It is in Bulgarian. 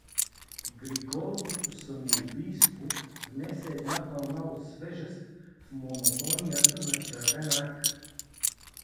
Григоровото самоубийство внесе една вълна от свежест в монотонията на Червен рак.